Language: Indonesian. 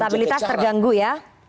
stabilitas terganggu ya